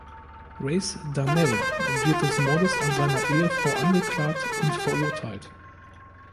Race Darnell wird des Mordes an seiner Ehefrau angeklagt und verurteilt.